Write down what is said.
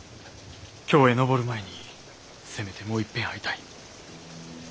京へ上る前にせめてもういっぺん会いたい。